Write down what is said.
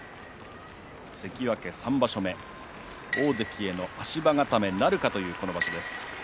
関脇３場所目大関への足場固めなるかという今場所です。